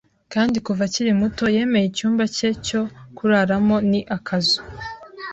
kandi kuva akiri muto yemeye icyumba cye cyo kuraramo ni akazu